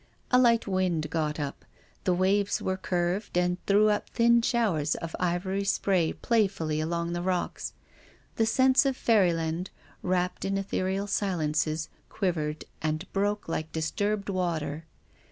A light wind got up. The waves were curved and threw up thin showers of ivory spray playfully along the rocks. The sense of fairyland, wrapped in ethereal silences, quivered and broke like disturbed water.